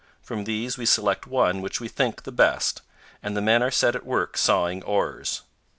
From these we select one which we think the best, and the men are set at work sawing oars.